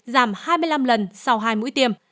giảm hai mươi năm lần sau hai mũi tiêm